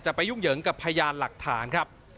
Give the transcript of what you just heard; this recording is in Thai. ไปยุ่งเหยิงกับพยานหลักฐานครับ